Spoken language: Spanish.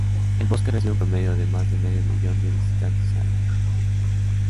El bosque recibe un promedio de más de medio millón de visitantes al año.